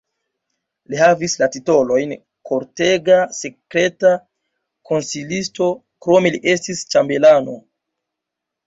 Li havis la titolojn kortega sekreta konsilisto, krome li estis ĉambelano.